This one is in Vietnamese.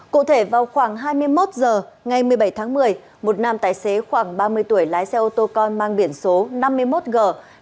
cụ thể vào khoảng hai mươi một h ngày một mươi bảy tháng một mươi một nam tài xế khoảng ba mươi tuổi lái xe ô tô con mang biển số năm mươi một g